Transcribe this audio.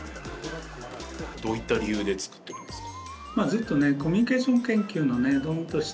どういった理由で作ってるんですか？